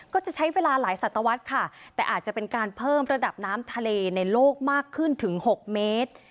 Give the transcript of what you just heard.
ก็จะใช้เวลาหลายศัตวรรษค่ะแต่อาจจะเป็นการเพิ่มระดับน้ำทะเลในโลกมากขึ้นถึง๖เมตร